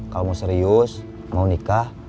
kalau mau serius mau nikah